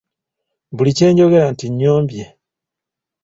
Buli kye njogera nti nnyombye!